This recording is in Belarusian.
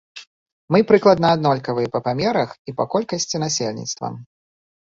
Мы прыкладна аднолькавыя па памерах і па колькасці насельніцтва.